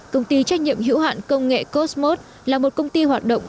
công ty trách nhiệm hữu hạn công nghệ cosmot là một công ty hoạt động